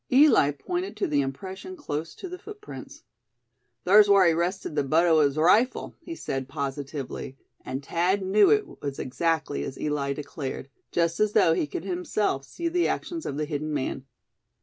Eli pointed to the impression close to the footprints. "Thar's whar he rested the butt o' his rifle," he said, positively, and Thad knew it was exactly as Eli declared, just as though he could himself see the actions of the hidden man.